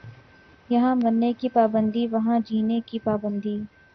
یہاں مرنے کی پابندی وہاں جینے کی پابندی